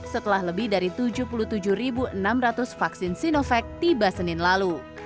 setelah lebih dari tujuh puluh tujuh enam ratus vaksin sinovac tiba senin lalu